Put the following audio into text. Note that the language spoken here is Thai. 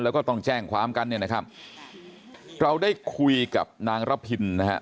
แล้วก็ต้องแจ้งความกันเนี่ยนะครับเราได้คุยกับนางระพินนะฮะ